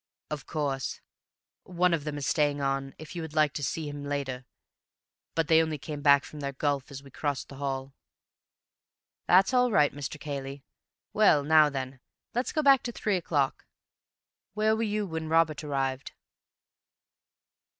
"Of course. One of them is staying on, if you would like to see him later, but they only came back from their golf as we crossed the hall." "That's all right, Mr. Cayley. Well, now then, let's go back to three o'clock. Where were you when Robert arrived?"